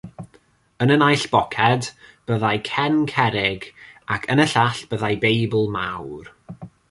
Yn y naill boced byddai cen cerrig ac yn y llall byddai Beibl mawr.